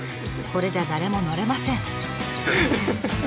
これじゃ誰も乗れません。